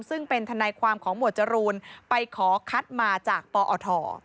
ซึ่งเป็นทนายความของหมวดจรูนไปขอคัดมาจากปอท